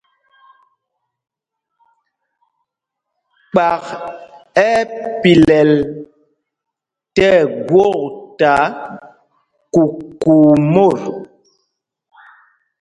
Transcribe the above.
Kpak ɛ́ ɛ́ pilɛl tí ɛgwokta kukuu mot.